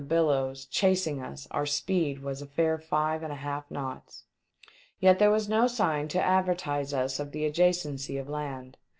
billows, chasing us, our speed was a fair live and a half knots. Yet there was no sign to advertise us of the adjacency of land.